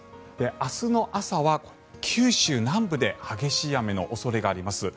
明日の朝は九州南部で激しい雨の恐れがあります。